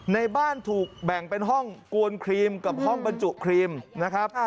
ในบ้านถูกแบ่งเป็นห้องกวนครีมกับห้องบรรจุครีมนะครับ